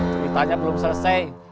ceritanya belum selesai